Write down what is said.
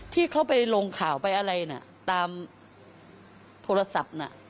ที่เขาไปลงข่าวไปอะไรน่ะตามโทรศัพท์น่ะ